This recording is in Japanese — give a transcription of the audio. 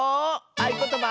「あいことば」。